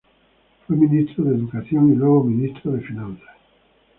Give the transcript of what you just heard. Fue ministro de educación y luego ministro de finanzas.